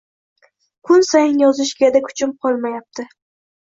Kun sayin yozishga-da, kuchim qolmayapti